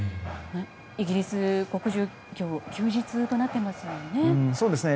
イギリス国中、今日休日となっていますもんね。